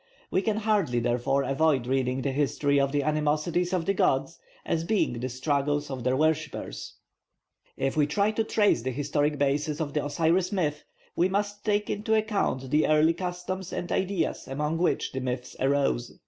We can hardly therefore avoid reading the history of the animosities of the gods as being the struggles of their worshippers. If we try to trace the historic basis of the Osiris myth, we must take into account the early customs and ideas among which the myths arose.